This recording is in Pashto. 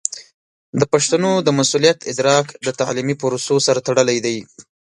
د پښتو د مسوولیت ادراک د تعلیمي پروسو سره تړلی دی.